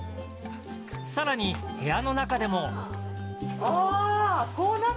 さらに部屋の中でも。